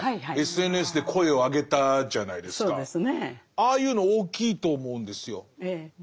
ああいうの大きいと思うんですよ。